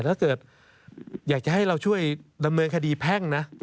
ถ้าเกิดอยากจะให้เราช่วยดำเนินคดีแพ่งนะ